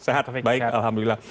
sehat baik alhamdulillah